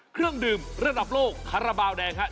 เครื่องดื่มระดับโลกคาราบาลแดงฮะ